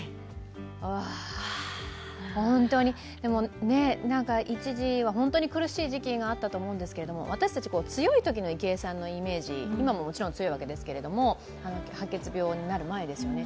うわ、でも一時は本当に苦しい時期があったと思うんですけど、私たち、強いときの池江さんのイメージ、今も強いわけですけど白血病になる前ですよね、